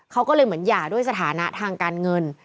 เขาก็เลยเหมือนหย่าด้วยสถานะทางการเงิน